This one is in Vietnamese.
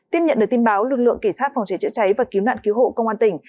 tiếp nhận được tin báo lực lượng kỳ sát phòng cháy chữa cháy và cứu nạn cứu hộ công an tỉnh